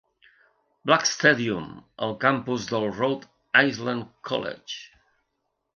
Black Stadium al campus del Rhode Island College.